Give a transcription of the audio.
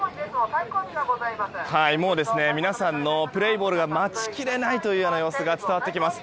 もう、皆さんのプレーボールが待ちきれないというような様子が伝わってきます。